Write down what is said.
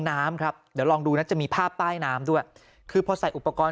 น้ำครับเดี๋ยวลองดูนะจะมีภาพใต้น้ำด้วยคือพอใส่อุปกรณ์